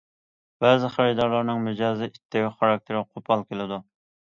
بەزى خېرىدارلارنىڭ مىجەزى ئىتتىك، خاراكتېرى قوپال كېلىدۇ.